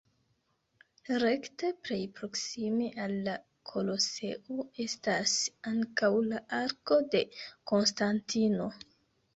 Rekte plej proksime al la Koloseo estas ankaŭ la Arko de Konstantino.